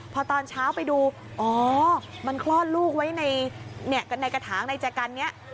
พอตอนเช้าไปดูอ๋อมันคลอดลูกไว้ในกระถางในแจกันเนี่ย